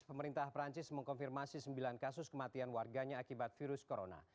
pemerintah perancis mengkonfirmasi sembilan kasus kematian warganya akibat virus corona